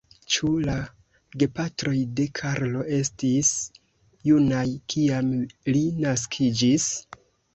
Ĉu la gepatroj de Karlo estis junaj, kiam li naskiĝis?